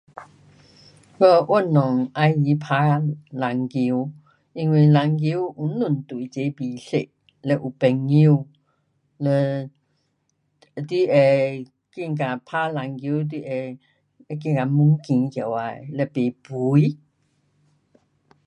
我运动要去打篮球，因为篮球有两队齐比赛，嘞有朋友，嘞你会觉得打篮球你会，会觉得越高起来，嘞不肥。